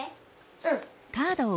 うん。